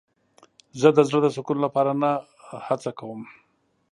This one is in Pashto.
زه د زړه د سکون لپاره نه هڅه کوم.